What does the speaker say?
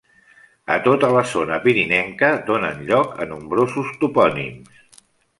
A tota la zona pirinenca donen lloc a nombrosos topònims.